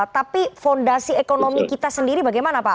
tapi fondasi ekonomi kita sendiri bagaimana pak